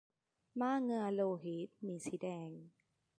ม้าเหงื่อโลหิต มีสีแดง